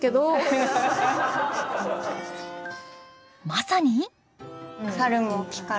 まさに。